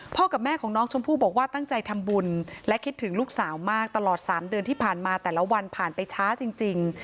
กับแม่ของน้องชมพู่บอกว่าตั้งใจทำบุญและคิดถึงลูกสาวมากตลอด๓เดือนที่ผ่านมาแต่ละวันผ่านไปช้าจริง